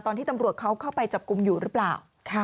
ตอนที่ตำรวจเขาเข้าไปจับกลุ่มอยู่หรือเปล่า